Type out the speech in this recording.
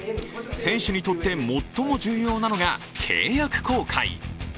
選手にとって最も重要なのが契約更改。